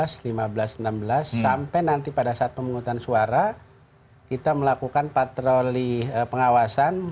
sampai nanti pada saat pemungutan suara kita melakukan patroli pengawasan